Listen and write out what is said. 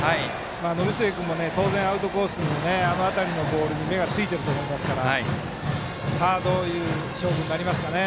延末君も当然、アウトコースのあの辺りのボールに目がついていると思いますからどういう勝負になりますかね